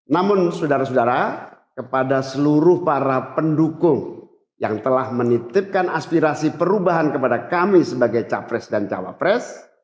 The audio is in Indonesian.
namun saudara saudara kepada seluruh para pendukung yang telah menitipkan aspirasi perubahan kepada kami sebagai capres dan cawapres